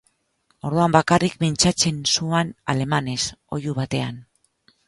Orduan bakarrik mintzatzen zuan alemanez, oihu batean.